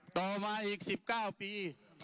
ต่อมาอีก๑๙ปี